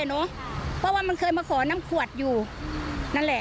เพราะว่ามันเคยมาขอน้ำขวดอยู่นั่นแหละ